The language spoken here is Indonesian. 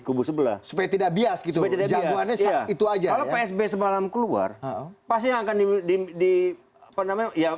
kubus sebelah supaya tidak bias gitu itu aja psb semalam keluar pasti akan di di apa namanya ya